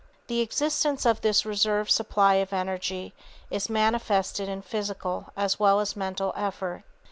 The existence of this reserve supply of energy is manifested in physical as well as mental effort.